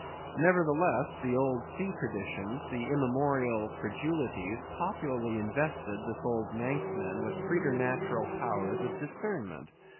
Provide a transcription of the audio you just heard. Nevertheless, the old sea traditions, the immemorial credulities, popularly invested this old Manxman with preternatural powers of discernment.